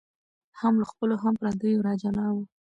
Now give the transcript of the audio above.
هم له خپلو هم پردیو را جلا وه